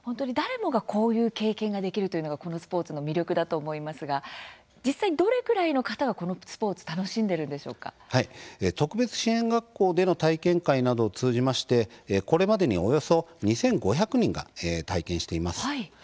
誰もがこういう経験ができるというのがこのスポーツの魅力だと思いますが実際どのぐらいの方々のスポーツを特別支援学校での体験会などを通じてこれまでに、およそ２５００人が体験しています。